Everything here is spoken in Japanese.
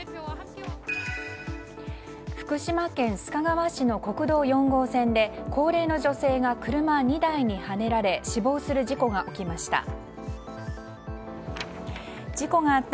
福島県須賀川市の国道４号線で高齢の女性が車２台にはねられ死亡する事故が起きました。